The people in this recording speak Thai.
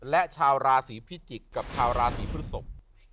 และชาวราศีพิจิกษ์กับชาวราศีพฤศพ